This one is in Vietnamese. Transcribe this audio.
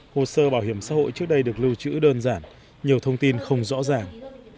hồ sơ bảo hiểm xã hội trước đây được lưu trữ đơn giản nhiều thông tin không rõ ràng